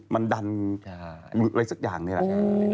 มันดันอะไรสักอย่างนี่แหละ